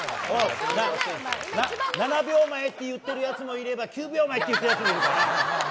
７秒前って言っているやつもいれば９秒前って言ってるやつもいるから。